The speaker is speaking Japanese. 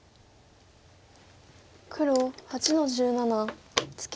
黒８の十七ツケ。